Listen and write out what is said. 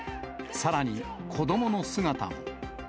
さらに、子どもの姿も。